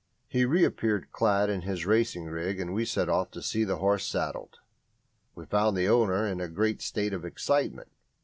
He reappeared clad in his racing rig, and we set off to see the horse saddled. We found the owner in a great state of excitement.